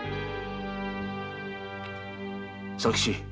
佐吉。